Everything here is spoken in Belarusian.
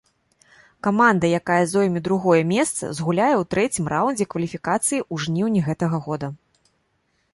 Каманда, якая зойме другое месца, згуляе ў трэцім раўндзе кваліфікацыі ў жніўні гэтага года.